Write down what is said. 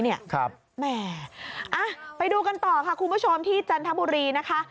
แหมไปดูกันต่อค่ะคุณผู้ชมที่จันทบุรีนะคะ